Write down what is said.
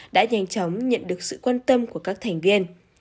đã nhanh chóng nhận được sự quan tâm của các thành viên